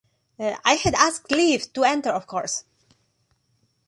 I had asked leave to enter of course.